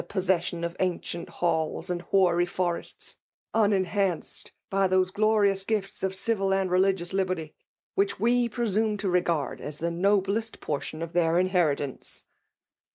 'p088et9>otk<«KS^ 126 FEMJILB WNfilf ATIOIV, ancient halls and hoary forests^ unenhanced by those glorions gifts of civil and religioiis Kberty, which we presume to regard as the noblest portion of their inheritance.